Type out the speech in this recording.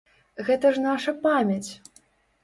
Гэта ж наша памяць!